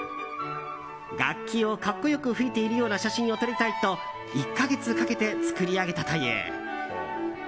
楽器を格好よく吹いているような写真を撮りたいと１か月かけて作り上げたという。